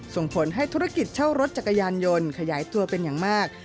ส่งผลให้ธุรกิจเช่ารถจักรยานยนต์ขยายตัวเป็นอย่างมาก